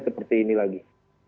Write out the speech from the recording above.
seperti ini lagi